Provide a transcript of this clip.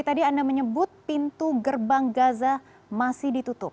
tadi anda menyebut pintu gerbang gaza masih ditutup